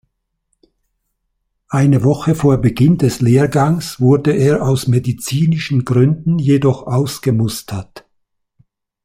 Eine Woche vor Beginn des Lehrgangs wurde er aus medizinischen Gründen jedoch ausgemustert.